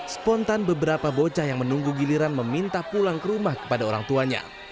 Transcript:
spontan beberapa bocah yang menunggu giliran meminta pulang ke rumah kepada orang tuanya